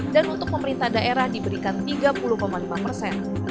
dan untuk pemerintah daerah diberikan tiga puluh lima persen